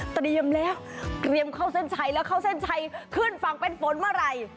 เตรียมแล้วเตรียมเข้าเส้นชัยแล้วเข้าเส้นชัยขึ้นฝั่งเป็นฝนเมื่อไหร่